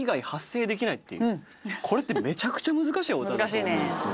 これってめちゃくちゃ難しい歌だと思うんですよ